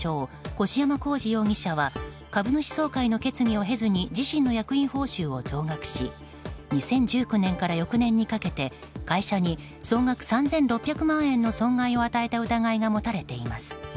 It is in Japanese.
越山晃次容疑者は株主総会の決議を経ずに自身の役員報酬を増額し２０１９年から翌年にかけて会社に総額３６００万円の損害を与えた疑いが持たれています。